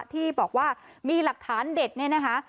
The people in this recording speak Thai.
ที่บอกว่ามีหลักฐานเด็ดเนี่ยนะคะ